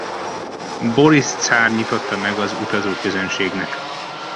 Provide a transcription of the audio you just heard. Borisz cár nyitotta meg az utazóközönségnek.